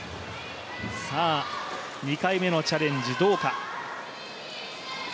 ２回目のチャレンジどうか。